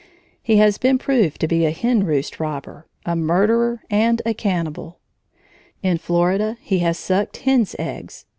He has been proved to be a hen roost robber, a murderer, and a cannibal. In Florida he has sucked hen's eggs.